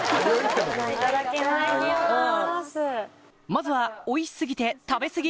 まずはおいし過ぎて食べ過ぎ